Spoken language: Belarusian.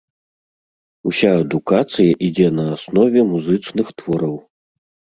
Уся адукацыя ідзе на аснове музычных твораў.